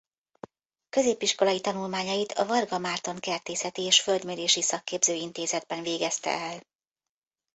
Középiskolai tanulmányait a Varga Márton Kertészeti és Földmérési Szakképző Intézetben végezte el.